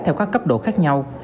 theo các cấp độ khác nhau